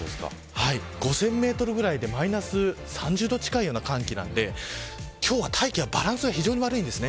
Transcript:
５０００メートルぐらいでマイナス３０度近いような寒気なので今日は大気のバランスが非常に悪いです。